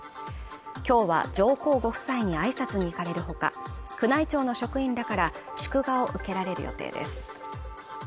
今日は上皇ご夫妻にあいさつに行かれるほか宮内庁の職員らから祝賀を受けられる予定です